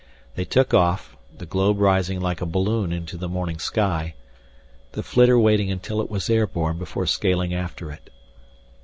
They took off, the globe rising like a balloon into the morning sky, the flitter waiting until it was air borne before scaling after it.